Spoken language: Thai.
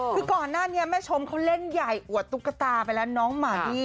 คือก่อนหน้านี้แม่ชมเขาเล่นใหญ่อวดตุ๊กตาไปแล้วน้องหมาดี้